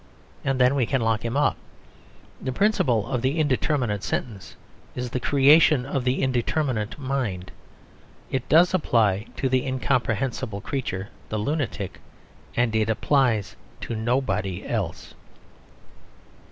And then we can lock him up. The principle of the indeterminate sentence is the creation of the indeterminate mind. It does apply to the incomprehensible creature, the lunatic. And it applies to nobody else.